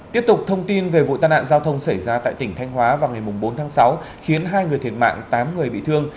tiếp tục thông tin về vụ tai nạn giao thông xảy ra tại tỉnh thanh hóa vào ngày bốn tháng sáu khiến hai người thiệt mạng tám người bị thương